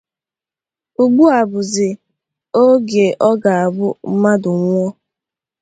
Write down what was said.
Ugbua bụzị oge ọ ga-abụ mmadụ nwụọ